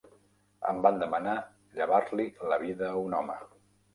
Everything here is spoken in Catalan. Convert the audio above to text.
Em van demanar llevar-li la vida a un home.